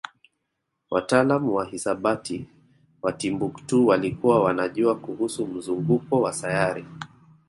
wataalamu wa hisabati wa Timbuktu walikuwa wanajua kuhusu mzunguko wa sayari